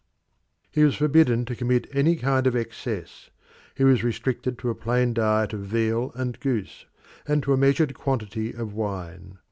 He was forbidden to commit any kind of excess: he was restricted to a plain diet of veal and goose, and to a measured quantity of wine.